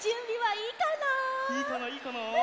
いいかないいかな？